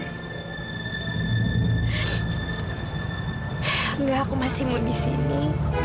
enggak aku masih mau disini